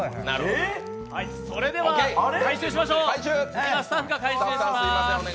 それでは回収しましょうスタッフが回収します。